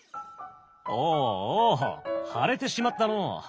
おおおお腫れてしまったのう。